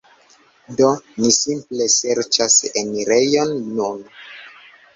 Do ni simple serĉas enirejon nun.